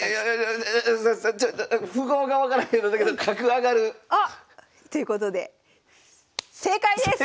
ええちょ符号が分からんけどだけど角上がる！あっ！ということで正解です！